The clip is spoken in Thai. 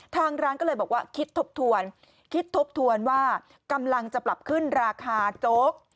ทางร้านก็เลยบอกว่าคิดทบทวนคิดทบทวนว่ากำลังจะปรับขึ้นราคาโจ๊ก